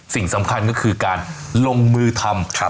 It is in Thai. สิ่งสำคัญก็คือการลงมือทำ